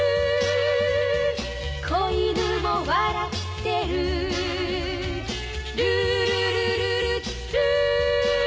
「小犬も笑ってる」「ルールルルルルー」